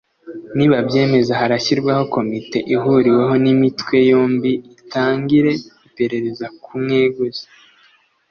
Nibabyemeza harashyirwaho komite ihuriweho n’imitwe yombi itangire iperereza ku kumweguza